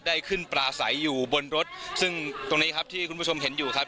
ได้ขึ้นปลาใสอยู่บนรถซึ่งตรงนี้ครับที่คุณผู้ชมเห็นอยู่ครับ